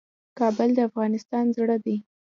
کابل د افغانستان زړه دی